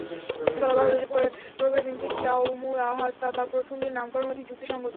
বলা বাহুল্য যে, রবিবার দিনকে ইয়াওমুল আহাদ বা প্রথম দিন নামকরণ অধিক যুক্তিসঙ্গত।